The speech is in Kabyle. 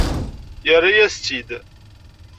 Terra-yas-tt-id.